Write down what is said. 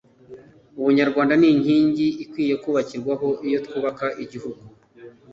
ubunyarwanda ni inkingi ikwiriye kubakirwaho iyo twubaka igihugu